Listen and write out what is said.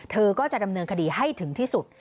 เธอก็จะดำเนินคดีให้ถึงที่สุด